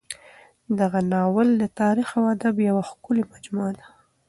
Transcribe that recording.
دغه ناول د تاریخ او ادب یوه ښکلې مجموعه ده.